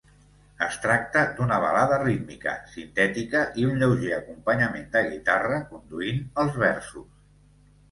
Es tracta d'una balada rítmica, sintètica i un lleuger acompanyament de guitarra conduint els versos.